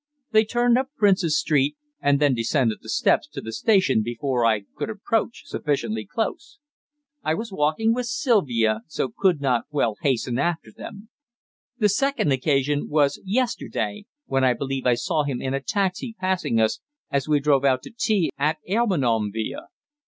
They turned up Princes Street, and then descended the steps to the station before I could approach sufficiently close. I was walking with Sylvia, so could not well hasten after them. The second occasion was yesterday, when I believe I saw him in a taxi passing us as we drove out to tea at Armenonville."